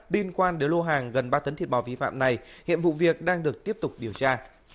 liên quan đến lô hàng gần ba tấn thịt bò vi phạm này hiện vụ việc đang được tiếp tục điều tra